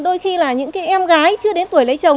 đôi khi là những em gái chưa đến tuổi lấy chồng